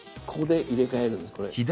ここで入れ替えるんです。